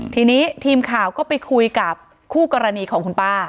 ทีนี้ทีมข่าวก็ไปคุยกับคู่กรณีของคุณป้า